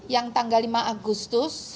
yang tanggal lima agustus